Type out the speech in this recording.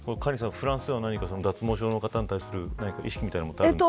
フランスでは何か脱毛症に対する意識みたいなものはあるんですか。